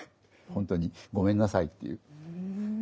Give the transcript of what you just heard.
本当にごめんなさいっていう。